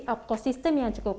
ekosistem yang cukup